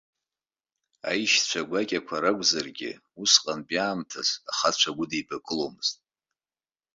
Аишьцәа гәакьақәа ракәзаргьы, усҟантәи аамҭазы ахацәа гәыдеибакыломызт.